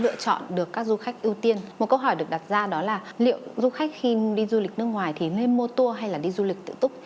liệu du khách khi đi du lịch nước ngoài thì nên mua tour hay đi du lịch tự túc